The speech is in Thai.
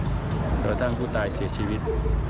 กระทั่งผู้ตายเสียชีวิต